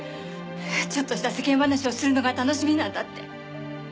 ちょっとした世間話をするのが楽しみなんだって。